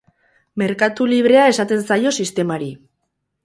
Merkatu librea esaten zaio sistemari.